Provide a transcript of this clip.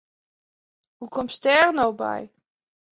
Hoe komst dêr no by?